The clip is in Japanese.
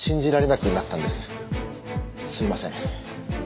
すいません。